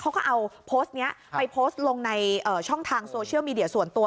เขาก็เอาโพสต์นี้ไปโพสต์ลงในช่องทางโซเชียลมีเดียส่วนตัว